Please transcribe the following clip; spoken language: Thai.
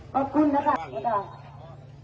ขอบคุณนะครับ